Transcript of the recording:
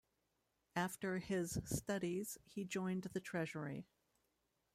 After his studies, he joined the Treasury.